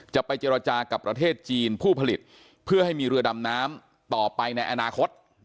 จะไปเจรจากับประเทศจีนผู้ผลิตเพื่อให้มีเรือดำน้ำต่อไปในอนาคต